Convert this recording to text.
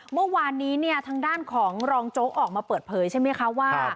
เมื่อวานนี้เนี่ยทางด้านของรองโจ๊กออกมาเปิดเผยใช่ไหมคะว่า